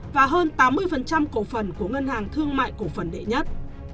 và hơn tám mươi cổ phần của ngân hàng thương mại cổ phần đệ nhất